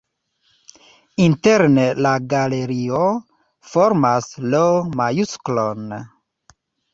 Interne la galerio formas L-majusklon.